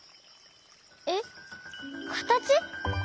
えっかたち？